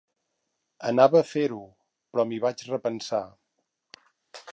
Anava a fer-ho, però m'hi vaig repensar.